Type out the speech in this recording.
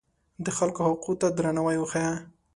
د خلکو حقونو ته درناوی وښیه.